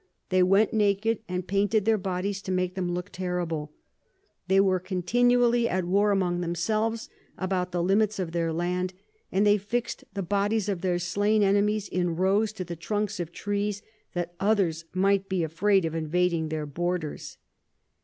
They went naked, and painted their Bodies to make them look terrible. They were continually at War among themselves about the Limits of their Land, and they fix'd the Bodies of their slain Enemies in Rows to the Trunks of Trees, that others might be afraid of invading their Borders.